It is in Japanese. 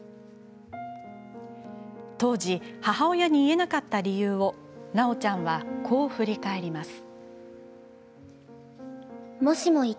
当時、母親に言えなかった理由をなおちゃんは、こう振り返ります。